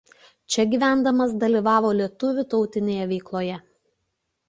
Čia gyvendamas dalyvavo lietuvių tautinėje veikloje.